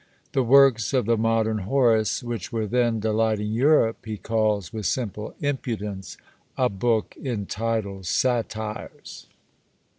the works of the modern Horace, which were then delighting Europe, he calls, with simple impudence, "a book entitled Satires!"